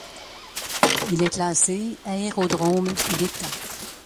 Il est classé aérodrome d'État.